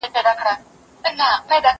زه کولای سم کالي وچوم!.